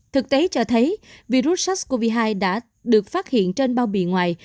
thực tế cho thấy virus sars cov hai đã được phát hiện trên bao bì ngoài